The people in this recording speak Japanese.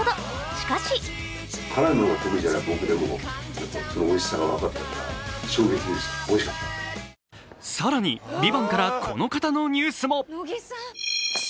しかし更に、「ＶＩＶＡＮＴ」からこの方のニュースも。